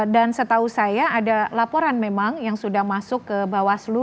dan setahu saya ada laporan memang yang sudah masuk ke bawaslu